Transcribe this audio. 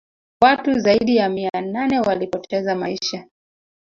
watu zaidi ya mia nane walipoteza maisha